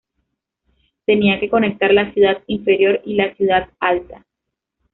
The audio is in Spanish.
Tenía que conectar la "Ciudad Inferior" y la "Ciudad Alta".